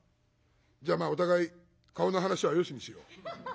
じゃあまあお互い顔の話はよしにしよう。